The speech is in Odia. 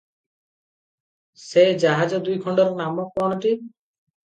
ସେ ଜାହାଜ ଦୁଇଖଣ୍ଡର ନାମ କଣଟି?